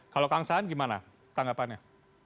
kalau kang saan gimana tanggapannya